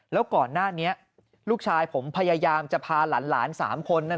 แล้วก่อนหน้านี้ลูกชายผมพยายามจะพาหลาน๓คน